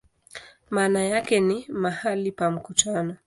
Maana yake ni "mahali pa mkutano".